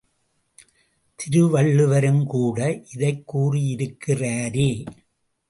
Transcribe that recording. திருவள்ளுவருங்கூட இதைக் கூறியிருக்கிறாரே.